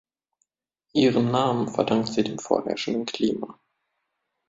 Ihren Namen verdankt sie dem vorherrschenden Klima.